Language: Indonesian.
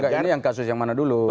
ini yang kasus yang mana dulu